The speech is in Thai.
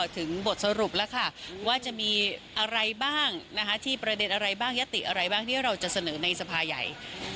ถึงบทสรุปแล้วค่ะว่าจะมีอะไรบ้างที่ประเด็นอะไรบ้างยติอะไรบ้างที่เราจะเสนอในสภาใหญ่